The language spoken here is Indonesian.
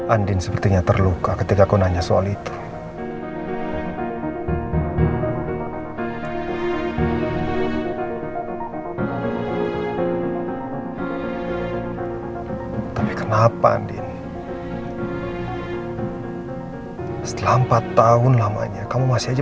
andien sepertinya terluka ketika aku nanya soal itu